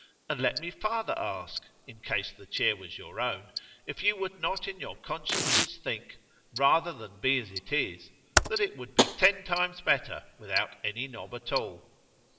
—and let me farther ask, in case the chair was your own, if you would not in your consciences think, rather than be as it is, that it would be ten times better without any knob at all?